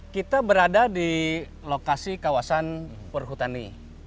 kita berada di lokasi kawasan perhutani